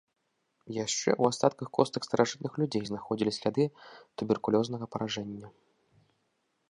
Яшчэ ў астатках костак старажытных людзей знаходзілі сляды туберкулёзнага паражэння.